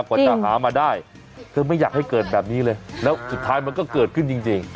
กว่าจะหามาได้เธอไม่อยากให้เกิดแบบนี้เลยแล้วสุดท้ายมันก็เกิดขึ้นจริง